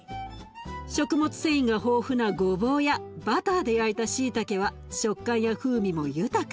食物繊維が豊富なごぼうやバターで焼いたしいたけは食感や風味も豊か。